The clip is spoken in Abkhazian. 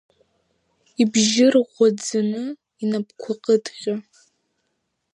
Ибжьы рӷәӷәаӡаны, инапқәа кыдҟьо.